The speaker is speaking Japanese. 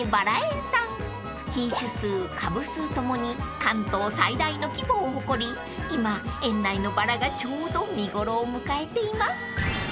［品種数株数ともに関東最大の規模を誇り今園内のバラがちょうど見頃を迎えています］